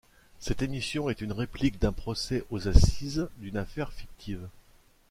Cette émission est une réplique d'un procès aux assises d'une affaire fictive.